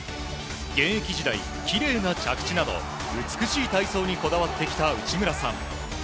現役時代、きれいな着地など美しい体操にこだわってきた内村さん。